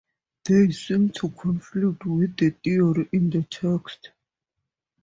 They seem to conflict with the theory in the text.